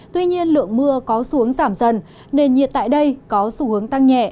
tuy nhiên lượng mưa có xu hướng giảm dần nền nhiệt tại đây có xu hướng tăng nhẹ